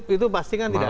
itu pasti kan tidak